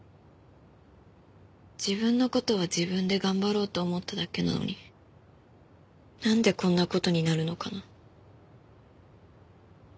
自分の事は自分で頑張ろうと思っただけなのになんでこんな事になるのかな？